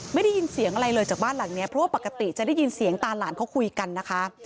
ไม่ได้ยินเสียงอะไรเลยจากบ้านหลังนี้เพราะว่าปกติจะได้ยินเสียงตาหลานเขาคุยกันนะคะ